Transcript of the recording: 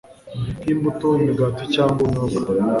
nk'imbuto, imigati cyangwa ubunyobwa